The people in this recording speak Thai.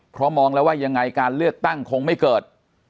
เพราะมองแล้วว่ายังไงการเลือกตั้งคงไม่เกิด